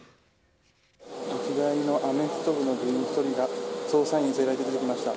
日大のアメフト部の部員１人が捜査員に連れられて出てきました。